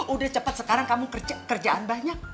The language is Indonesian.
udah cepat sekarang kamu kerjaan banyak